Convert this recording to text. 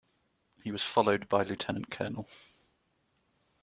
He was followed by Lt.Col.